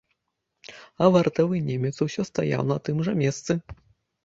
А вартавы немец усё стаяў на тым жа месцы.